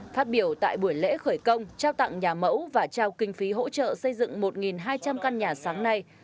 phát biểu tại buổi lễ khởi công trao tặng nhà mẫu và trao kinh phí hỗ trợ xây dựng một hai trăm linh căn nhà sáng nay